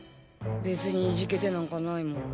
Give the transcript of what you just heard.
別にイジケてなんかないもん。